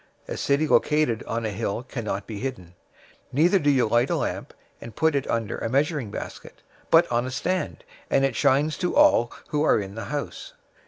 A city located on a hill can't be hidden. 005:015 Neither do you light a lamp, and put it under a measuring basket, but on a stand; and it shines to all who are in the house.